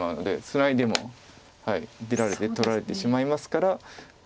ツナいでも出られて取られてしまいますから。